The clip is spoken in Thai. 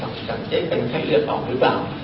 กราบนี้ผลักษังอาระศักดิ์ให้เลือดหรือเปล่า